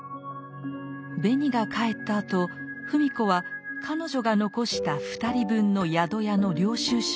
ベニが帰ったあと芙美子は彼女が残した２人分の宿屋の領収書を見つけます。